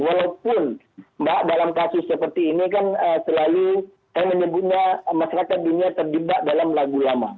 walaupun mbak dalam kasus seperti ini kan selalu saya menyebutnya masyarakat dunia terjebak dalam lagu lama